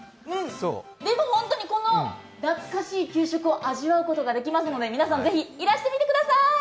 でもこのなつかしい給食を味わうことができますので皆さん、ぜひ、いらしてみてください！